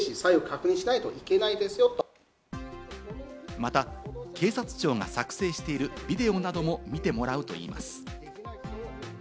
また、警察庁が作成しているビデオなども見てもらうといいます。